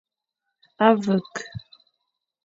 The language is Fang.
A vek.